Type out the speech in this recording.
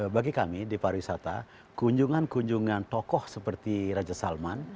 bagi kami di pariwisata kunjungan kunjungan tokoh seperti raja salman